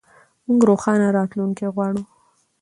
موږ روښانه راتلونکی غواړو.